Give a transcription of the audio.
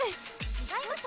違います！